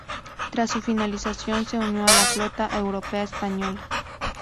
Tras su finalización, se unió a la flota europea española.